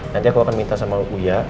nanti aku akan minta sama uya